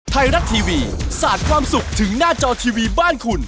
ไทยรัฐทีวีสาดความสุขถึงหน้าจอทีวีบ้านคุณ